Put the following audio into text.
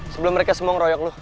sebelum mereka semua ngeroyok loh